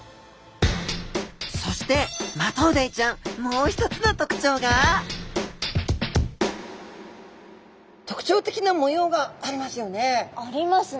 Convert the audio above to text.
そしてマトウダイちゃんもう一つの特徴が特徴的な模様がありますよね。ありますね。